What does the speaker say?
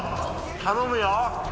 頼むよ。